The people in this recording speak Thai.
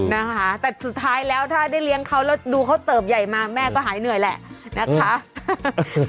นะคะแต่สุดท้ายแล้วถ้าได้เลี้ยงเขาแล้วดูเขาเติบใหญ่มาแม่ก็หายเหนื่อยแหละนะคะ